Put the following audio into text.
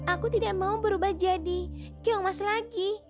aku tidak mau berubah jadi keong mas lagi